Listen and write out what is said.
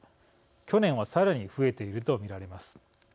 去年は、さらに増えていると見られます。